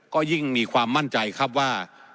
ก็ยิ่งมีความมั่นใจครับว่า